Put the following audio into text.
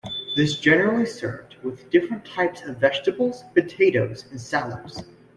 This generally served with different types of vegetables, potatoes and salads.